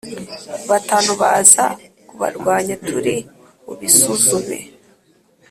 batanu baza kubarwanya Turi bubisuzume